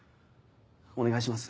お願いします。